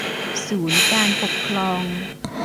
ศูนย์การปกครอง